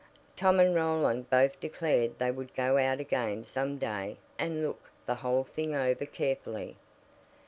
Tom and Roland both declared they would go out again some day and look the whole thing over carefully.